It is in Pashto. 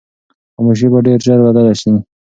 خاموشي به ډېر ژر بدله شي.